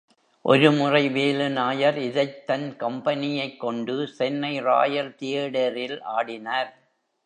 ஒரு முறை வேலு நாயர் இதைத் தன் கம்பெனியைக் கொண்டு சென்னை ராயல் தியேடேரில் ஆடினார்.